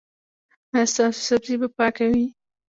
ایا ستاسو سبزي به پاکه وي؟